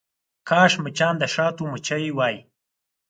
کاش مچان د شاتو مچۍ وی.